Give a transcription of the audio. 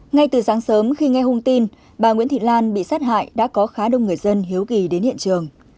ngay từ sáng sớm khi nghe thông tin bà nguyễn thị lan bị sát hại đã có khá đông người dân hiếu kỳ đến hiện trường